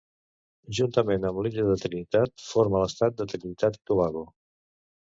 Juntament amb l'illa de Trinitat forma l'estat de Trinitat i Tobago.